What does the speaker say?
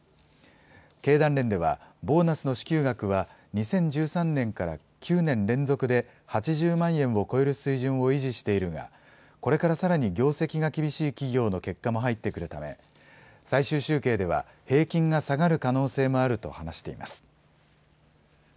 経団連では、ボーナスの支給額は、２０１３年から９年連続で８０万円を超える水準を維持しているが、これからさらに業績が厳しい企業の結果も入ってくるため、最終集計では、平均が下がる可能性もあると話しています。